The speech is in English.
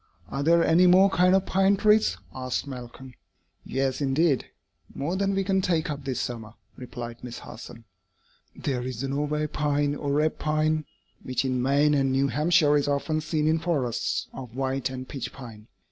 "Are there any more kinds of pine trees?" asked Malcolm. [Illustration: "AWAKE, LITTLE ONE!"] "Yes, indeed! more than we can take up this summer," replied Miss Harson. "There is the Norway pine, or red pine, which in Maine and New Hampshire is often seen in forests of white and pitch pine.